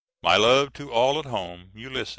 My love to all at home. ULYS.